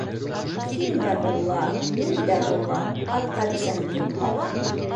Һин дә мулла, мин дә мулла -Атҡа бесән кем һала?